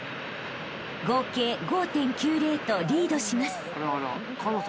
［合計５．９０とリードします］